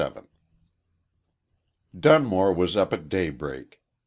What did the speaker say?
XXVII DUNMORE was up at daybreak.